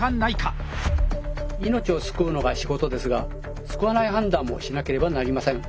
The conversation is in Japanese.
命を救うのが仕事ですが救わない判断もしなければなりません。